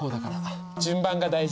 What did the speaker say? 順番が大事。